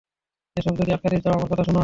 এসব যদি আটকাতে চাও আমার কথা শোন।